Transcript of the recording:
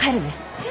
えっ？